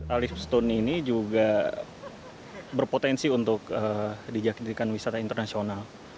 alif stone ini juga berpotensi untuk dijadikan wisata internasional